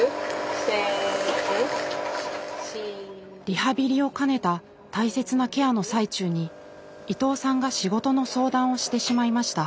リハビリを兼ねた大切なケアの最中に伊藤さんが仕事の相談をしてしまいました。